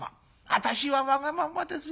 私はわがままですよ。